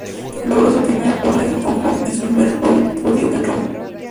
Logró su primera "pole" en Hong Kong y su primer podio en Roma.